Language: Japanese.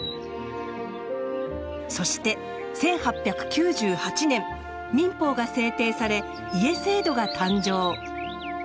そして１８９８年民法が制定され「家制度」が誕生。